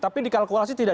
tapi dikalkulasi tidak